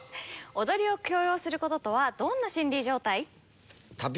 踊りを強要する事とはどんな心理状態？